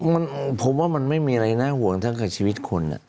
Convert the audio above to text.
มันผมว่ามันไม่มีอะไรน่าห่วงทั้งกับชีวิตคน